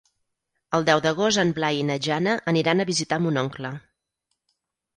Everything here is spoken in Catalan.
El deu d'agost en Blai i na Jana aniran a visitar mon oncle.